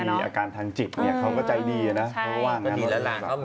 รู้ว่ามีอาการทางจิตเขาก็ใจดีนะ